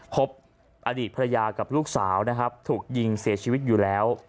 พบอดีตภรรยากับลูกสาวนะครับถูกยิงเสียชีวิตอยู่แล้ว